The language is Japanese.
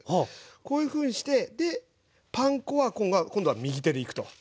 こういうふうにしてパン粉は今度は右手でいくと。